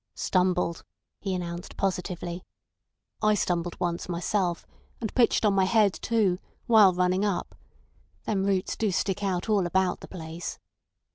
"Stumbled," he announced positively. "I stumbled once myself, and pitched on my head too, while running up. Them roots do stick out all about the place.